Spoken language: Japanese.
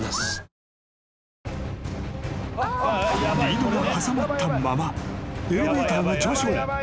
［リードが挟まったままエレベーターが上昇］